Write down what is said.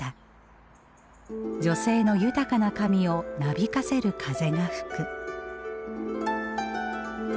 「女性の豊かな髪をなびかせる風が吹く」。